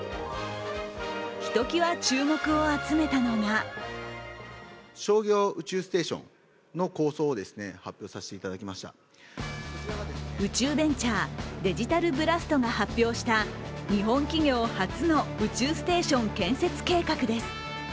ひときわ注目を集めたのが宇宙ベンチャー、ＤｉｇｉｔａｌＢｌａｓｔが発表した日本企業初の宇宙ステーション建設計画です。